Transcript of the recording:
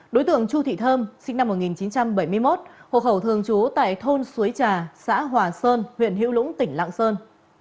đối tượng chu thị thơm sinh năm một nghìn chín trăm bảy mươi một hộ khẩu thường trú tại thôn suối trà xã hòa sơn huyện hiễu lũng tỉnh lạng sơn